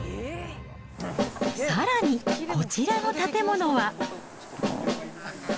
さらに、こちらの建物は。